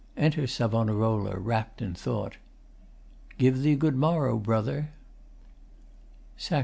[Enter SAVONAROLA, rapt in thought.] Give thee good morrow, Brother. SACR.